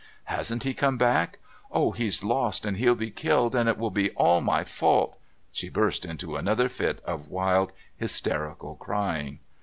"Hasn't he come back? Oh, he's lost and he'll be killed, and it will be all my fault!" She burst into another fit of wild hysterical crying.